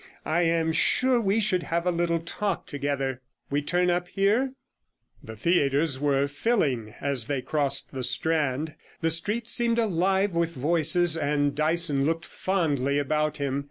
I am sure we should have a little talk together. We turn up here?' The theatres were filling as they crossed the Strand; the street seemed alive with voices, and Dyson looked fondly about him.